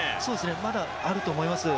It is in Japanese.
まだあると思います